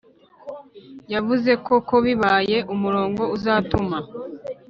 yavuzeko ko bibaye umurongo uzatuma